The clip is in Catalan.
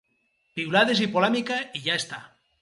Piulades i polèmica i ja està.